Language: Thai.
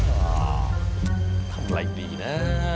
อ้าวทำอะไรดีนะ